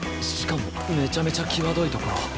しかもめちゃめちゃ際どい所。